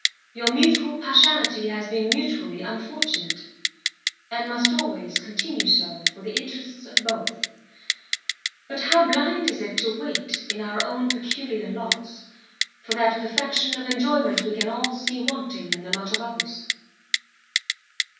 Your mutual partiality has been mutually unfortunate, and must always continue so for the interests of both: but how blind is it to wait, in our own peculiar lots, for that perfection of enjoyment we can all see wanting in the lot of others!